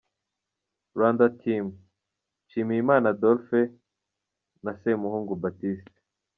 Rwanda Team: Nshimiyimana Adolphe& Semuhungu Baptiste.